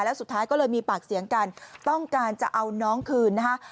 แล้วสุดท้ายก็เลยมีปากเสียงกันต้องการจะเอาน้องคืนนะคะ